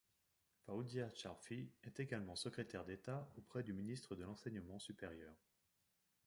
Faouzia Charfi est également secrétaire d’État auprès du ministre de l’Enseignement supérieur.